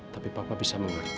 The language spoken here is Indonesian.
tapi papa bisa mengerti